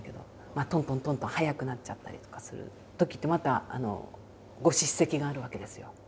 トントントントン速くなっちゃったりとかするときってまたご叱責があるわけですよ。